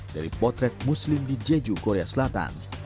dari potret muslim di jeju korea selatan